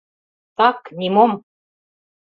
— Так, нимом.